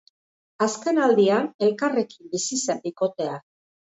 Azkenaldian elkarrekin bizi zen bikotea.